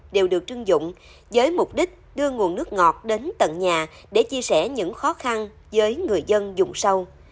đều được trưng dụng với mục đích đưa nguồn nước ngọt đến tận nhà để chia sẻ những khó khăn với người dân dùng sâu